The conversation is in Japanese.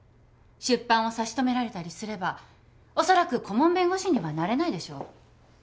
出版を差し止められたりすればおそらく顧問弁護士にはなれないでしょう。